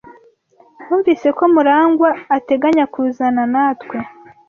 Numvise ko Murangwa ateganya kuzana natwe.